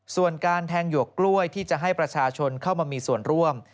ส่วนการแทงหยวกกล้วยที่จะให้ประชาชนเข้ามามีส่วนร่วม